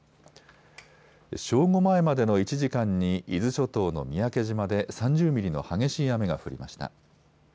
正午前までの１時間に伊豆諸島の三宅島で３０ミリの激しい雨が降りました。